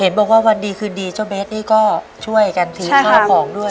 บอกว่าวันดีคืนดีเจ้าเบสนี่ก็ช่วยกันถือข้าวของด้วย